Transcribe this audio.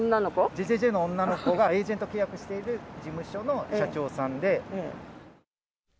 じぇじぇじぇの女の子がエージェント契約している事務所の社長さんで。